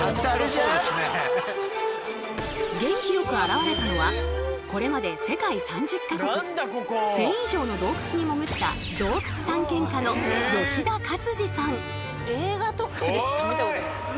元気よく現れたのはこれまで世界３０か国１，０００以上の洞窟に潜った映画とかでしか見たことない。